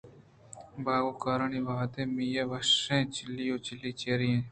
باغ ءَ کارانی وہدءَ میئے وشیّں چُلی چُلی ءُ چِرِی چِریاں